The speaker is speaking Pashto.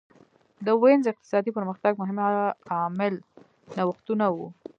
د وینز اقتصادي پرمختګ مهم عامل نوښتونه وو